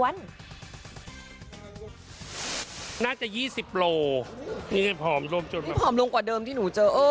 นี่ผอมลงกว่าเดิมที่หนูเจอ